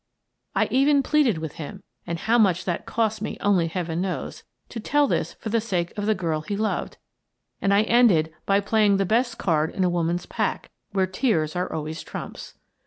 I even pleaded with him — and how much that cost me only Heaven knows — to tell this for the sake of the girl he loved, and I ended by playing the best card in a woman's pack, where tears are always trumps.